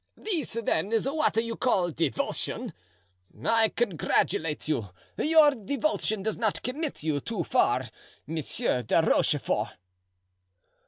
"This, then, is what you call devotion! I congratulate you. Your devotion does not commit you too far, Monsieur de Rochefort."